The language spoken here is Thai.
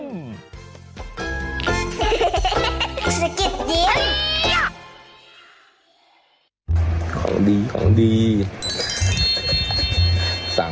พ่อลูกโดยเสี่ยงเยอะหิ้ม